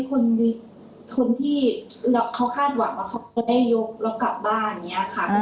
คนที่เขาคาดหวังว่าเขาจะได้ยกเรากลับบ้านอย่างนี้ค่ะ